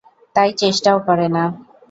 তাই চেষ্টাও করে না!